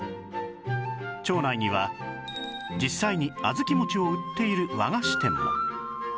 町内には実際に小豆餅を売っている和菓子店も